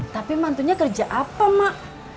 tapi mantunya kerja apa mak